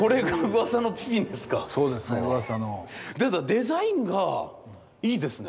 デザインがいいですね。